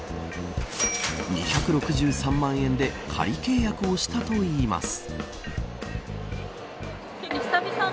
２６３万円で仮契約をしたといいます。